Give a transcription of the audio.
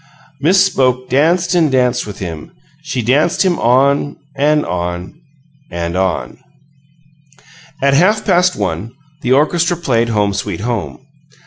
Miss Boke danced and danced with him; she danced him on and on and on At half past one the orchestra played "Home, Sweet Home."